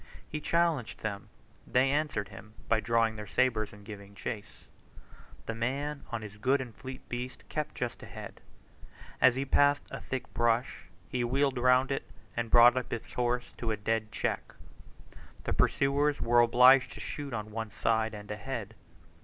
He challenged them; they answered him by drawing their sabres and giving chase. The man, on his good and fleet beast, kept just ahead: as he passed a thick bush he wheeled round it, and brought up his horse to a dead check. The pursuers were obliged to shoot on one side and ahead.